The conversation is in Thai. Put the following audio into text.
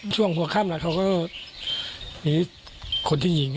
ช่วงหัวข้ำเขาก็มีคนที่หญิง